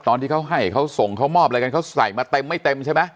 ตอนที่เขาให้เขาส่งเขามอบอะไรกันเขาใส่มาเต็มไม่เต็มใช่ไหม